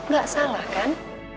gak salah kan